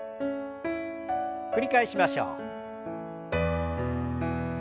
繰り返しましょう。